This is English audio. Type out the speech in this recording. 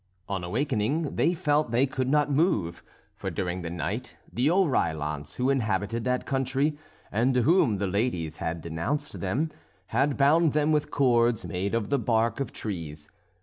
On awaking they felt that they could not move; for during the night the Oreillons, who inhabited that country, and to whom the ladies had denounced them, had bound them with cords made of the bark of trees.